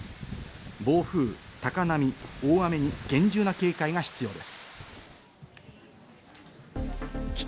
暴風、高波、大雨に厳重な警戒が必要です。